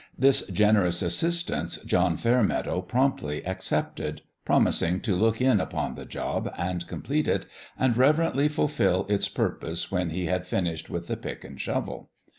This generous assistance John Fairmeadow promptly accepted, promising to ]'/>k in upon the job, and complete it, and reverently fulfill its purpose, when he had finished with the pick and shovel.